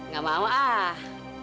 gak mau ah